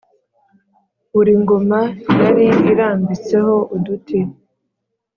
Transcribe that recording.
buri ngoma yari irambitseho uduti